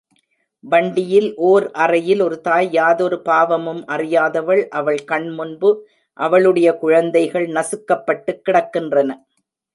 வண்டியில் ஓர் அறையில் ஒரு தாய் யாதொரு பாவமும் அறியாதவள் அவள் கண்முன்பு அவளுடைய குழந்தைகள் நசுக்கபட்டுக் கிடக்கின்றன.